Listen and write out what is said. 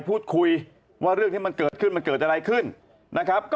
พูดคุยว่าเรื่องที่มันเกิดขึ้นมันเกิดอะไรขึ้นนะครับก็